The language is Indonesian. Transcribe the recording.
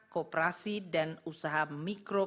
kooperasi dan usaha mikro